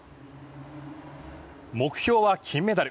目標は金メダル。